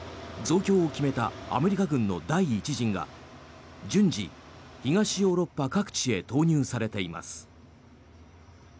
増強を決めたアメリカ軍の第１陣が順次、東ヨーロッパ各地へ投入されています。